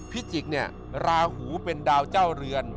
พิจิกเนี่ยราหูเป็นดาวเจ้าเรือน